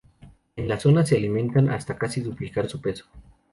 En la zona se alimentan hasta casi duplicar su peso.